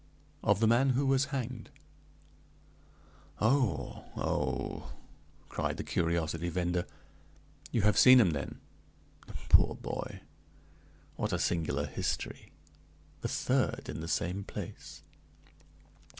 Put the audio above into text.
"Of the man who was hanged." "Oh, oh!" cried the curiosity vender. "You have seen him, then? The poor boy! What a singular history! The third in the same place."